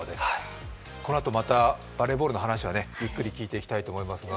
このあと、またバレーボールの話はゆっくり聴いていきたいと思います。